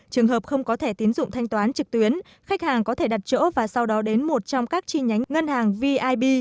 trường hợp không có thẻ tín dụng thanh toán trực tuyến khách hàng có thể đặt chỗ và sau đó đến một trong các chi nhánh ngân hàng vip